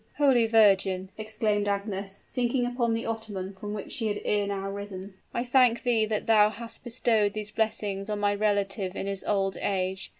"Holy Virgin!" exclaimed Agnes, sinking upon the ottoman from which she had ere now risen, "I thank thee that thou hast bestowed these blessings on my relative in his old age.